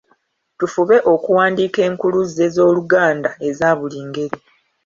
Tufube okuwandiika enkuluze z’Oluganda eza buli ngeri